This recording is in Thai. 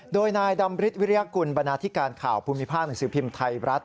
โดยนายดำริยากุลบรรณาธิการข่าวภูมิภาคหนังสือพิมพ์ไทยรัฐ